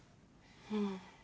うん。